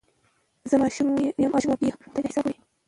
زه ماشوم وم چي یې خدای ته حساب وړی